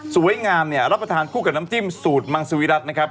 สวยงามเนี่ยรับประทานคู่กับน้ำจิ้มสูตรมังสวิรัตินะครับ